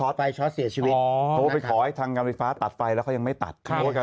ด้อการไฟฟ้าตัดไฟแต่เขายังไม่ตัด